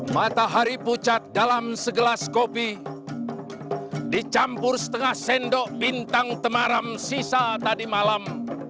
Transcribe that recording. matahari pucat dalam segelas kopi dicampur setengah sendok bintang temaram sisa tadi malam